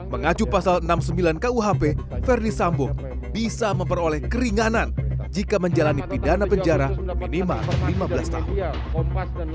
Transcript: mengacu pasal enam puluh sembilan kuhp verdi sambo bisa memperoleh keringanan jika menjalani pidana penjara minimal lima belas tahun